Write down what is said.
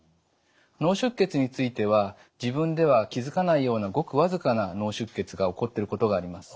脳出血については自分では気付かないようなごくわずかな脳出血が起こってることがあります。